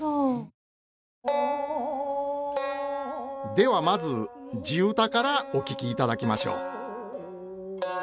ではまず地唄からお聴きいただきましょう。